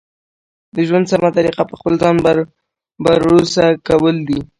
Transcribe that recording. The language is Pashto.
د ژوند سمه طریقه په خپل ځان بروسه کول دي.